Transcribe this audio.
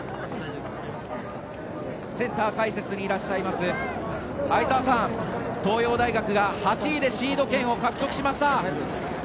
センター解説にいらっしゃいます相澤さん、東洋大学が８位でシード権を獲得しました。